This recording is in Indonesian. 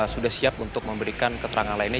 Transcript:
sudah siap untuk memberikan keterangan lainnya